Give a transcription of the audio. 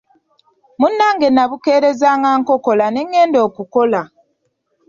Munnange nnabukeerezanga nkokola ne ngenda okukola.